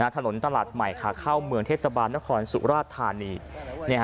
ถนนตลาดใหม่ขาเข้าเมืองเทศบาลนครสุราชธานี